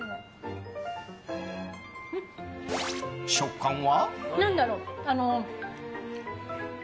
食感は？